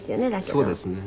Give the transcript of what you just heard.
そうですね。